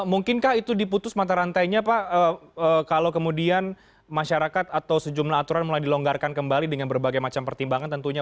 mungkinkah itu diputus mata rantainya pak kalau kemudian masyarakat atau sejumlah aturan mulai dilonggarkan kembali dengan berbagai macam pertimbangan tentunya